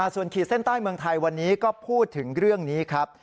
ส่วนขีดเส้นใต้เมืองไทยวันนี้ก็พูดถึงเรื่องนี้ครับ